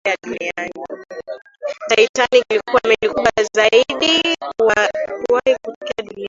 titanic ilikuwa meli kubwa zaidi kuwahi kutokea duniani